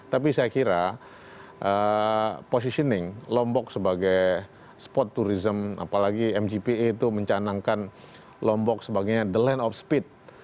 tapi saya kira positioning lombok sebagai spot tourism apalagi mgpa itu mencanangkan lombok sebagai the land of speed